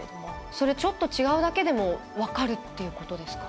ちょっと違うだけでも分かるということですか。